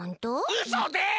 うそです！